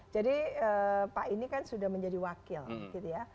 jadi pak ini kan sudah menjadi wakil gitu ya